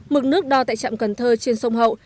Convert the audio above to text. mực nước đo tại trạm cần thơ trên sông hậu